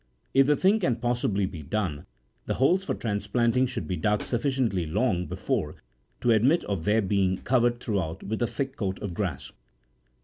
If the thing can possibly be done, the holes for transplanting should be dug sufficiently long be fore to admit of their being covered throughout with a thick coat of grass.